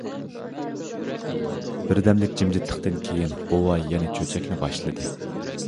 بىردەملىك جىمجىتلىقتىن كېيىن بوۋاي يەنە چۆچەكنى باشلىدى.